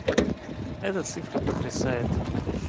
Эта цифра потрясает.